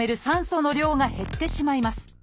酸素の量が減ってしまいます。